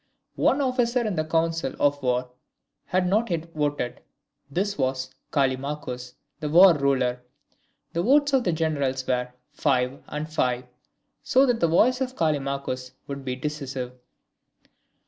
One officer in the council of war had not yet voted. This was Callimachus, the War Ruler. The votes of the generals were five and five, so that the voice of Callimachus would be decisive.